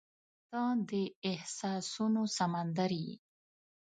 • ته د احساسونو سمندر یې.